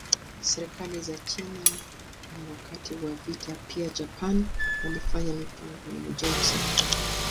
Serikali za China na wakati wa vita pia Japan walifanya mipango ya ujenzi.